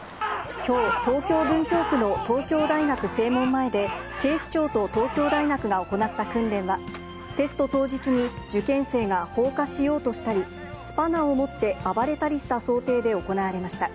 きょう、東京・文京区の東京大学正門前で、警視庁と東京大学が行った訓練は、テスト当日に受験生が放火しようとしたり、スパナを持って暴れたりした想定で行われました。